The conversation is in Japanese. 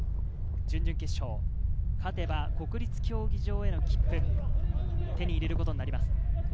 準々決勝、勝てば国立競技場への切符を手に入れることになります。